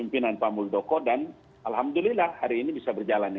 nya di kantor staf presiden tapi di kantor staf presiden